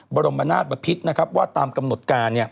บรมนาฏปภิษฐ์ว่าตามกำหนดการ